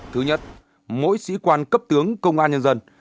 thứ nhất mỗi sĩ quan cấp tướng công an nhân dân